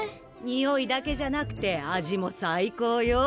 においだけじゃなくてあじもさい高よ。